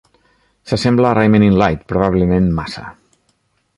S'assembla a Reimain in Light, probablement massa.